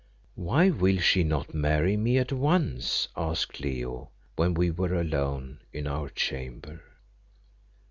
"Why will she not marry me at once?" asked Leo, when we were alone in our chamber.